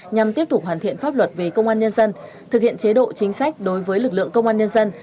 nhằm tiếp tục hoàn thiện pháp luật về công an nhân dân thực hiện chế độ chính sách đối với lực lượng công an nhân dân